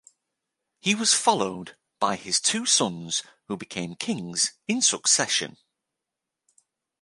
He was followed by his two sons who became kings in succession.